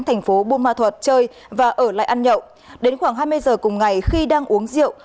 thành phố buôn ma thuật chơi và ở lại ăn nhậu đến khoảng hai mươi giờ cùng ngày khi đang uống rượu